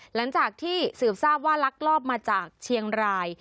หลังจากที่สืบทราบว่าลักลอบมาจากเชียงราย